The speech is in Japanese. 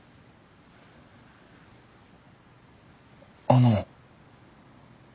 あの。